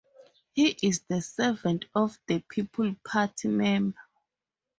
He is the Servant of the People party member.